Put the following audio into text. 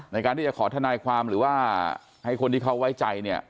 ในการที่จะขอทนายความหรือว่าให้คนที่เขาไว้ใจเนี่ย